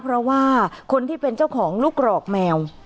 เพราะว่าคนที่เป็นเจ้าของลูกกรอกแมว